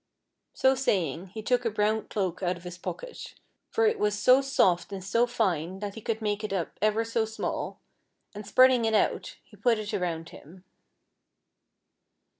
So saying, he took a brown cloak out of his pocket ; for it was so soft and so fine that he could make it FIRE AXD WATER. 105 up ever so small, and spreading it out, he put it around him.